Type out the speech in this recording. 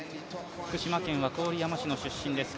福島県郡山市の出身です